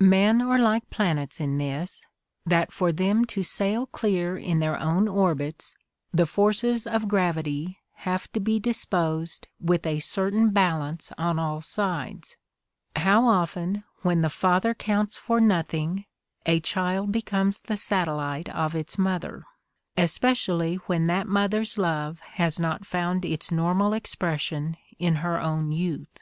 Men are like planets in this, that for them to sail clear in their own orbits the forces of gravity have to be disposed with a certain balance on all sides : how often, when the father counts for nothing, a child becomes the satellite of its mother, especially when that mother's love has not found its normal expression in her own youth!